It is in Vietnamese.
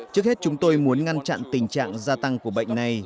trước hết chúng tôi muốn ngăn chặn tình trạng gia tăng của bệnh này